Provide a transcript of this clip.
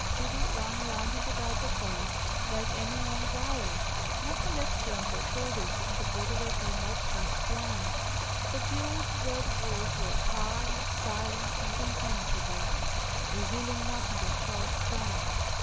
Judy ran round and about the college, like any one wild; nothing extra on her shoulders, and the border of her mob cap flying. But the old red walls were high, silent, and impenetrable; revealing nothing of Charles Channing.